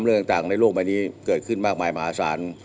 เรื่องต่างในโลกใบนี้เกิดขึ้นมากมายมหาศาล